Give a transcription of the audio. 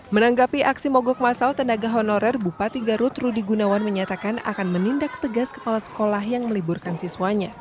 menanggapi aksi mogok masal tenaga honorer bupati garut rudi gunawan menyatakan akan menindak tegas kepala sekolah yang meliburkan siswanya